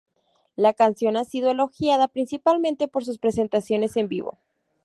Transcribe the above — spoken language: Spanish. La canción ha sido elogiada principalmente por sus presentaciones en vivo.